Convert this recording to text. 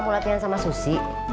mau latihan sama susi